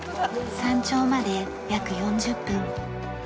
山頂まで約４０分。